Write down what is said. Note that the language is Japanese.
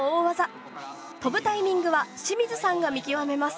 飛ぶタイミングは清水さんが見極めます。